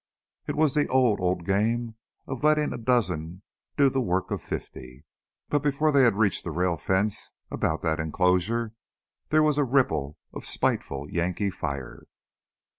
It was the old, old game of letting a dozen do the work of fifty. But before they had reached the rail fence about that enclosure, there was a ripple of spiteful Yankee fire.